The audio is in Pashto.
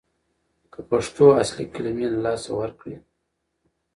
که پښتو اصلي کلمې له لاسه ورکړي